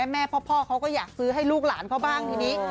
พ่อเขาก็อยากซื้อให้ลูกหลานเขาบ้างทีนี้